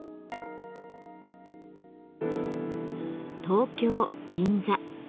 東京・銀座